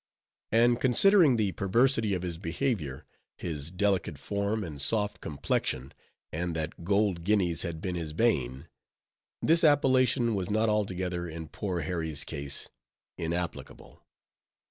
And considering the perversity of his behavior, his delicate form, and soft complexion, and that gold guineas had been his bane, this appellation was not altogether, in poor Harry's case, inapplicable.